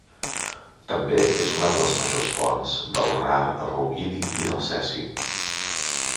També és una de les majors fonts del rar rubidi i del cesi.